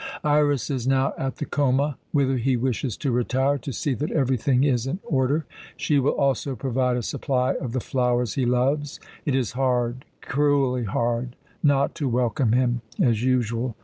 Iras is now at the Choma whither he wishes to retire to see that everything is in order. She will also provide a supply of the flowers he loves. It is hard, cruelly hard, not to welcome him as usual.